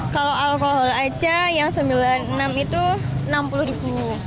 kalau alkohol aja yang sembilan puluh enam itu enam puluh